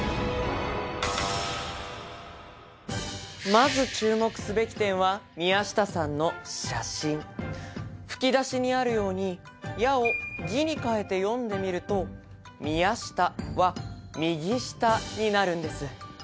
まず注目すべき点は宮下さんの写真吹き出しにあるように「や」を「ぎ」に変えて読んでみると「みやした」は「みぎした」になるんです